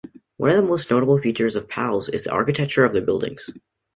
One of the notable features of Pal's is the architecture of the buildings.